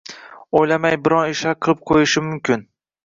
o‘ylamay biron ishlar qilib qo‘yishi mumkin.